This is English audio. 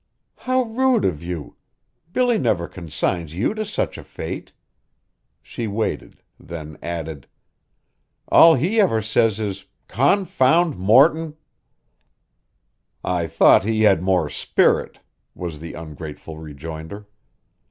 "How rude of you! Billy never consigns you to such a fate." She waited, then added, "All he ever says is 'Confound Morton.'" "I thought he had more spirit," was the ungrateful rejoinder.